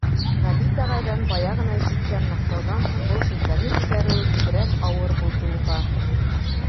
Ғәбит ағайҙан бая ғына ишеткән маҡтауҙан һуң был шелтәне күтәреүе бигерәк ауыр булды уға.